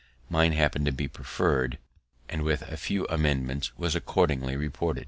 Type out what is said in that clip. Mine happen'd to be preferr'd, and, with a few amendments, was accordingly reported.